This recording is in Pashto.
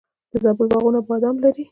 د زابل باغونه بادام لري.